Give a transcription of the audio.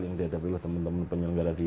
yang dihadapi oleh teman teman penyelenggara di